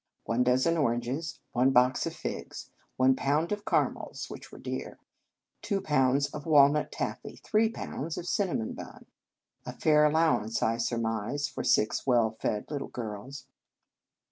One dozen oranges. One box of figs. One pound of caramels, which were dear. Two pounds of walnut taffy. Three pounds of cinnamon bun. A fair allowance, I surmise, for six well fed little girls.